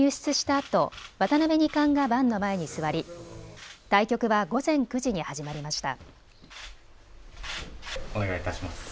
あと渡辺二冠が盤の前に座り、対局は午前９時に始まりました。